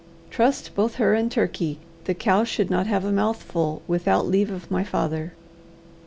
Trust both her and Turkey, the cow should not have a mouthful without leave of my father.